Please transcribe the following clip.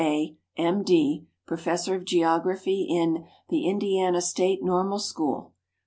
A., M. D., Professor of Geography in The Indiana State Normal School.